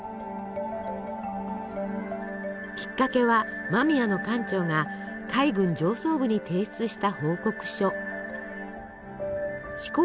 きっかけは間宮の艦長が海軍上層部に提出した報告書。